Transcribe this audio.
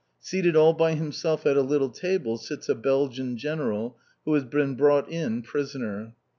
Seated all by himself at a little table sits a Belgian General, who has been brought in prisoner.